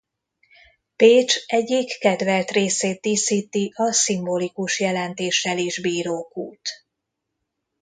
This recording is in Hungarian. Pécs egyik kedvelt részét díszíti a szimbolikus jelentéssel is bíró kút.